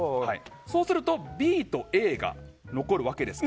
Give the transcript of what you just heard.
そうするとＢとＡが残るわけですが。